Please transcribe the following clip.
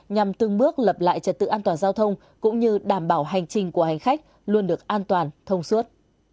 nhằm từng bước lập lại trật tự an toàn giao thông cũng như đảm bảo hành trình của hành khách luôn được an toàn thông suốt